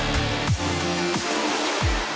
thank you banyak bang